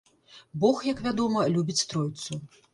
Бог, як вядома, любіць тройцу.